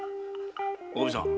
おかみさん。